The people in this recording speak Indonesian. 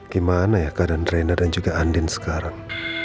gimana ya keadaan rena dan juga andin sekarang